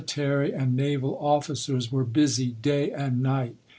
tary and naval officers were busy day and night.